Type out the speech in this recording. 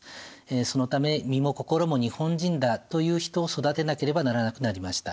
そのため身も心も日本人だという人を育てなければならなくなりました。